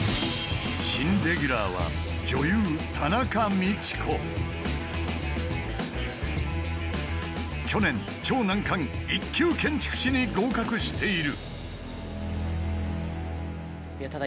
新レギュラーは去年超難関１級建築士に合格している！